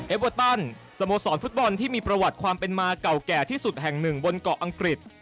เวอร์ตันสโมสรฟุตบอลที่มีประวัติความเป็นมาเก่าแก่ที่สุดแห่งหนึ่งบนเกาะอังกฤษ